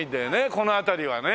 この辺りはね。